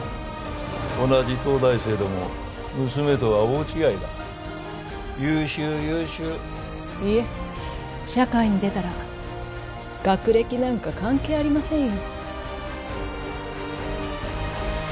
同じ東大生でも娘とは大違いだ優秀優秀いえ社会に出たら学歴なんか関係ありませんよ